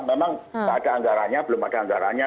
memang ada anggaranya belum ada anggaranya